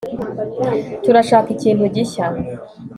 turashaka ikintu gishya